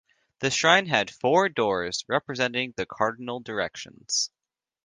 The shrine has four doors, representing the cardinal directions.